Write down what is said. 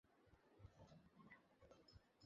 কী করা লাগবে ও জানে।